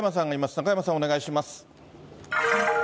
中山さん、お願いします。